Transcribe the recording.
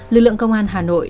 lực lượng công an hà nội